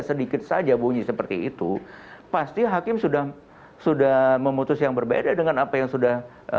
sedikit saja bunyi seperti itu pasti hakim sudah sudah memutus yang berbeda dengan apa yang sudah